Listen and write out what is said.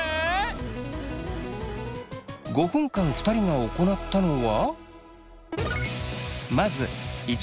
５分間２人が行ったのは。